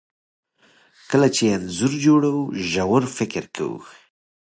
کله چې انځور جوړوو ژور فکر کوو.